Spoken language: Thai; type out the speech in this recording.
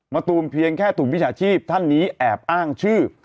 ตูมเพียงแค่ถูกวิชาชีพท่านนี้แอบอ้างชื่อ